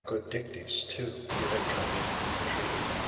Good Dictys, too, who had come in, entreated him.